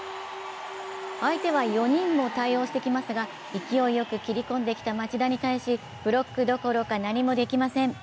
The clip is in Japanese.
相手は４人も対応してきますが勢いよく切り込んできた町田に対しブロックどころか何もできません。